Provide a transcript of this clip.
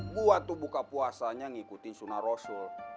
gue tuh buka puasanya ngikutin sunah rosul